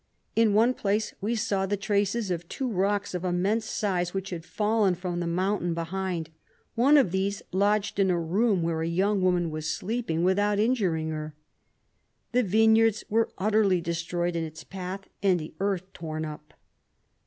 In one place we saw the traces of two rocks of immense size, which had fallen from the mountain behind. One of these lodged in a room where a young woman was sleep ing, without injuring her. The vine yards were utterly destroyed in its path, and the earth torn up.